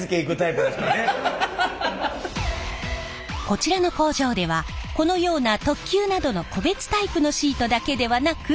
こちらの工場ではこのような特急などの個別タイプのシートだけではなく。